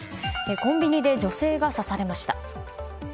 コンビニで女性が刺されました。